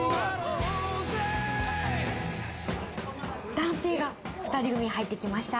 男性が２人組入ってきました。